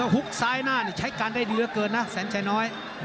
หุ้กซ้ายหน้าใช้การได้ดีเยอะเกินนะแสนใจน้อย